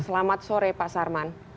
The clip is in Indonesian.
selamat sore pak sarman